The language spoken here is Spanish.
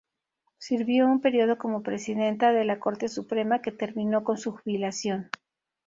Sirvió un período como Presidenta de la Corte Suprema, que terminó con su jubilación.